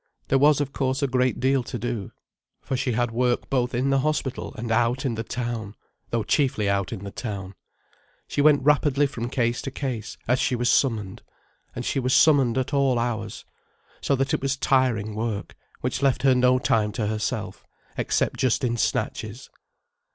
There was of course a great deal to do, for she had work both in the hospital and out in the town, though chiefly out in the town. She went rapidly from case to case, as she was summoned. And she was summoned at all hours. So that it was tiring work, which left her no time to herself, except just in snatches.